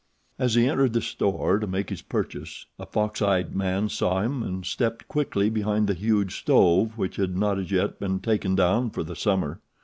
As he entered the store to make his purchases a foxeyed man saw him and stepped quickly behind the huge stove which had not as yet been taken down for the summer.